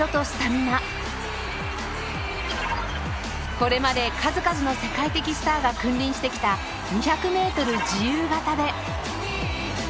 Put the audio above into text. これまで数々の世界的スターが君臨してきた２００メートル自由形で。